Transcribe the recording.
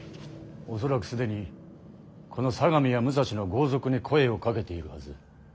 恐らく既にこの相模や武蔵の豪族に声をかけているはず。